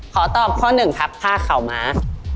ขอตอบข้อหนึ่งครับผ้าข่าวม้า